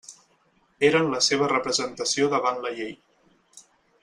Eren la seva representació davant la llei.